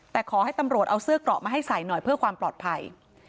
แต่ขอให้ตำรวจเอาเสื้อเกราะมาให้ใส่หน่อยเพื่อความปลอดภัย